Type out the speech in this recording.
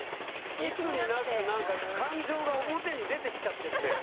いつになくなんか感情が表に出てきちゃってるね。